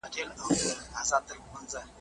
ګیدړ ږغ کړه ویل زرکي دورغجني `